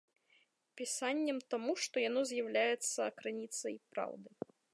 Пісаннем, таму што яно з'яўляецца крыніцай праўды.